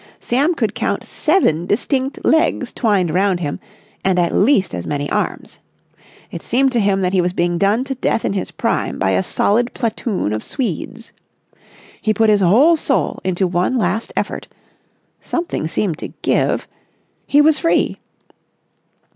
Sam could count seven distinct legs twined round him and at least as many arms. It seemed to him that he was being done to death in his prime by a solid platoon of Swedes. He put his whole soul into one last effort ... something seemed to give ... he was free.